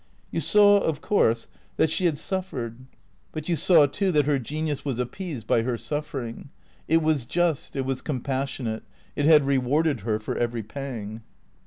You saw, of course, that 453 THECREATOKS she had suffered; but you saw too that her genius was appeased by her suffering. It was just, it was compassionate; it had re warded her for every pang.